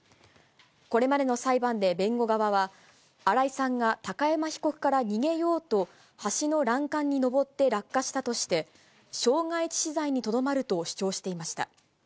これまでの裁判で弁護側は、新井さんが高山被告から逃げようと、橋の欄干に登って落下したとして、傷害致死罪にとどまると主張していました。